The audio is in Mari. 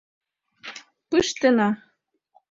— Пыштена!